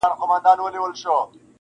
ستا قدم زموږ یې لېمه خو غریبي ده,